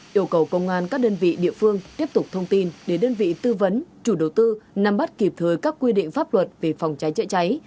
yêu cầu công an các đơn vị địa phương tiếp tục thông tin để đơn vị tư vấn chủ đầu tư nắm bắt kịp thời các quy định pháp luật về phòng cháy chữa cháy